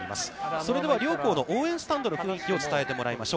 それでは、両校の応援スタンドの雰囲気を伝えてもらいましょう。